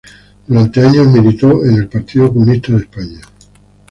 Durante años militó en el Partido Comunista de España.